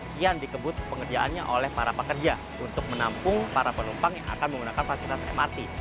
kian dikebut pengerjaannya oleh para pekerja untuk menampung para penumpang yang akan menggunakan fasilitas mrt